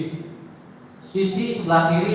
di sisi sebelah kiri